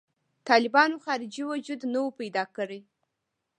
طالبانو خارجي وجود نه و پیدا کړی.